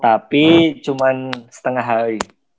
tapi cuman setengah hari